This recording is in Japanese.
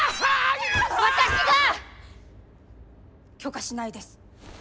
私が許可しないです！